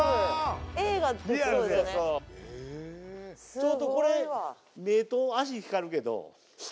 ちょっとこれ目と脚光るけど。